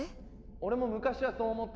・俺も昔はそう思ってた。